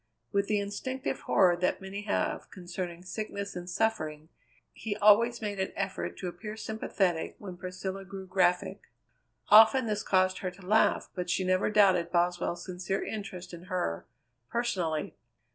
With the instinctive horror that many have concerning sickness and suffering, he always made an effort to appear sympathetic when Priscilla grew graphic. Often this caused her to laugh, but she never doubted Boswell's sincere interest in her, personally.